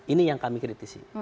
ini yang kami kritisi